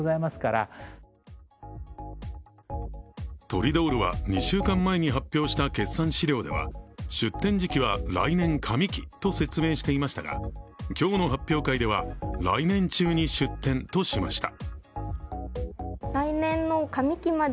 トリドールは２週間前に発表した決算資料では出店時期は来年上期と説明していましたが今日の発表会では来年中に出店としました。